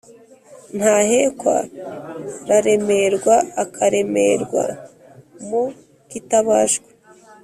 Ntahekwaa raremerwa akaremerwa mu kitabashwa